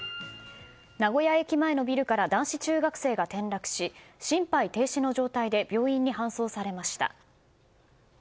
名古屋駅前のビルから男子中学生が転落し心肺停止の状態で病院に搬送されました。